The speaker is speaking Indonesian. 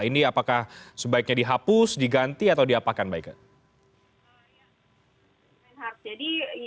ini apakah sebaiknya dihapus diganti atau diapakan baiknya